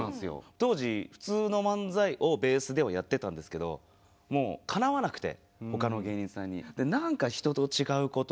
当時普通の漫才をベースではやってたんですけどもうかなわなくて他の芸人さんに。